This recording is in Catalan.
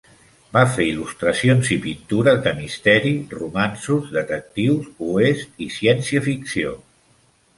Va fer il·lustracions i pintures de misteri, romanços, detectius, oest i ciència ficció.